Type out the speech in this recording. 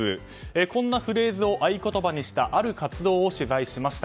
こんなフレーズを合言葉にしたある活動を取材しました。